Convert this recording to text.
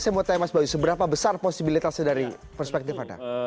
saya mau tanya mas bayu seberapa besar posibilitasnya dari perspektif anda